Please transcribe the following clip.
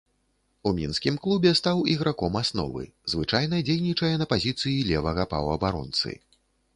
У мінскім клубе стаў іграком асновы, звычайна дзейнічае на пазіцыі левага паўабаронцы.